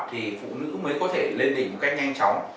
thì phụ nữ mới có thể lên tìm một cách nhanh chóng